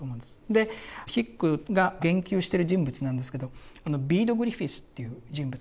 でヒックが言及してる人物なんですけどビード・グリフィスという人物がいて。